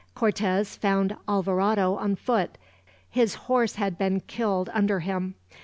Cortez found Alvarado on foot, his horse had been killed under him.